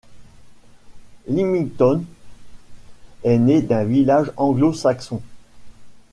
Lymington est née d'un village anglo-saxon.